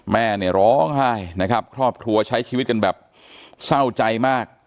แม่เนี่ยร้องไห้นะครับครอบครัวใช้ชีวิตกันแบบเศร้าใจมาก